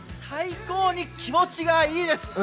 最高に気持ちがいいです。